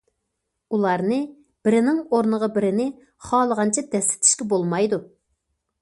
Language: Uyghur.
ئۇلارنى بىرىنىڭ ئورنىغا بىرىنى خالىغانچە دەسسىتىشكە بولمايدۇ.